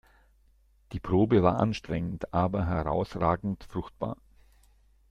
Die Probe war anstrengend aber herausragend fruchtbar.